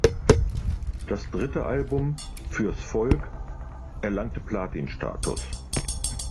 Das dritte Album "Fürs Volk" erlangte Platin-Status.